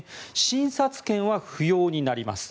診察券は不要になります。